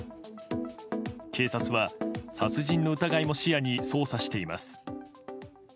警察は殺人の疑いも視野に捜査しています。